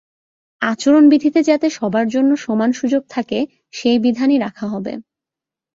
আচরণবিধিতে যাতে সবার জন্য সমান সুযোগ থাকে, সেই বিধানই রাখা হবে।